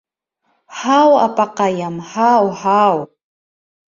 — Һау, апаҡайым, һау, һау.